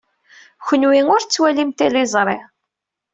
Kenwi ur tettwalim tiliẓri.